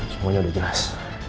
semuanya sudah jelas